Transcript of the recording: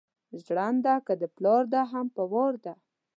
ژېرنده که ده پلار ده هم په وار ده